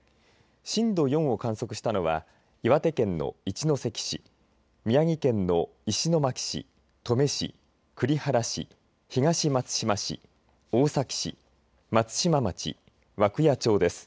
震度４を観測したのは岩手県の一関市、宮城県の石巻市、登米市、栗原市、東松島市、大崎市、松島町、涌谷町です。